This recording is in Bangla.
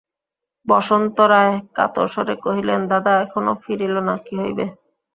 বসন্ত রায় কাতর স্বরে কহিলেন, দাদা এখনো ফিরিল না, কী হইবে?